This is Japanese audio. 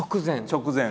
直前。